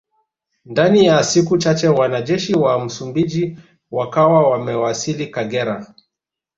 Ndani ya siku chache wanajeshi wa Msumbiji wakawa wamewasili Kagera